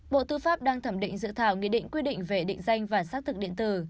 bộ tư pháp đang thẩm định dự thảo nghị định quy định về định danh và xác thực điện tử